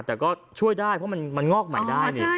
แต่ก็ช่วยได้เพราะมันงอกใหม่ได้นี่